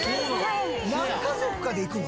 何家族かで行くの？